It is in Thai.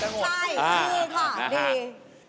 ใช่ดีค่ะดี